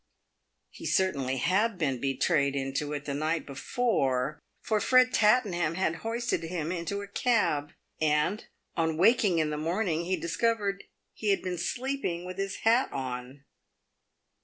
He certainly had been betrayed into it the night before, for Fred Tattenham had hoisted him into a cab, and, on waking in the morn ing, he discovered he had been sleeping with his hat on.